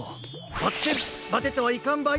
ばってんバテてはいかんばい！